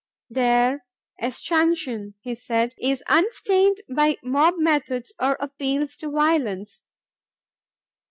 Their "escutcheon," he said, "is unstained by mob methods or appeals to violence.